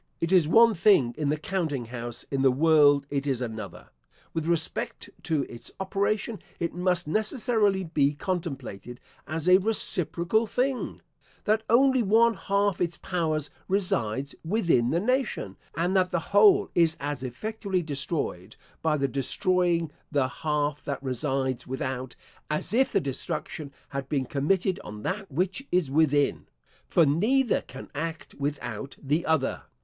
It is one thing in the counting house, in the world it is another. With respect to its operation it must necessarily be contemplated as a reciprocal thing; that only one half its powers resides within the nation, and that the whole is as effectually destroyed by the destroying the half that resides without, as if the destruction had been committed on that which is within; for neither can act without the other.